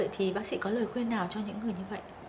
thì bác sĩ có lời khuyên nào cho những người như vậy